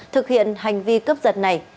thực hiện hành vi cướp giải